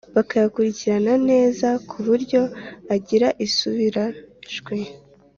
bakayakurikiranya neza kuburyo agira isubira jwi